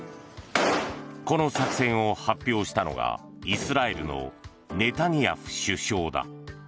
この作戦を発表したのがイスラエルのネタニヤフ首相だ。